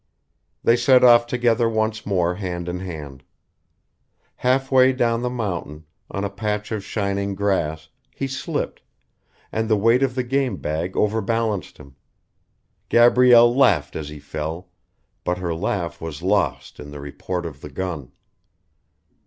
They set off together once more hand in hand. Halfway down the mountain, on a patch of shining grass, he slipped, and the weight of the game bag overbalanced him. Gabrielle laughed as he fell, but her laugh was lost in the report of the gun.